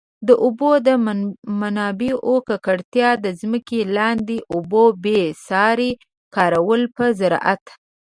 د اوبو د منابعو ککړتیا، د ځمکي لاندي اوبو بي ساري کارول په زراعت.